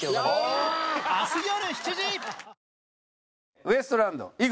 ウエストランド井口。